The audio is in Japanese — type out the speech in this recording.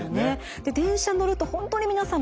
電車に乗ると本当に皆さん